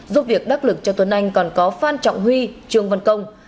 giúp việc đắc lực cho tuấn anh còn có phan trọng huy trương văn công